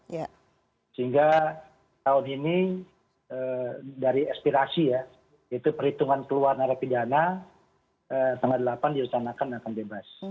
sehingga tahun ini dari ekspirasi ya itu perhitungan keluar dari pidana tanggal delapan dirusakan akan bebas